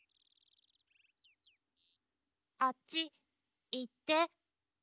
あっちいって。